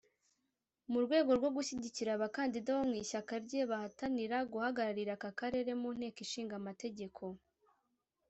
mu rwego rwo gushyigikira abakandida bo mu ishyaka rye bahatanira guhagararira aka karere mu Nteko Ishinga Amategeko